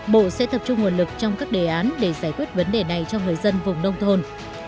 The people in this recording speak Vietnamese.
bộ sẽ tập trung nguồn lực trong các đề án để giải quyết vấn đề này cho người dân vùng nông thôn